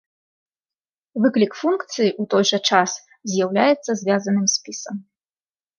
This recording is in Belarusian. Выклік функцыі у той жа час з'яўляецца звязаным спісам.